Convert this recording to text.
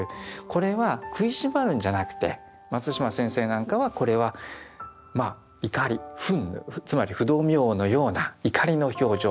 これは食いしばるんじゃなくて松島先生なんかはこれはまあ怒り憤怒つまり不動明王のような怒りの表情。